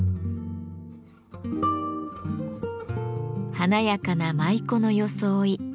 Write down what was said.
華やかな舞妓の装い。